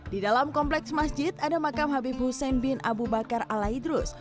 di dalam kompleks masjid ada makam habib hussein bin abu bakar ala idrus